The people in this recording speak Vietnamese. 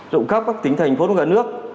rộng khắp các tỉnh thành phố cả nước